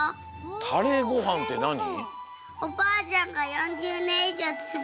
タレごはんってなに？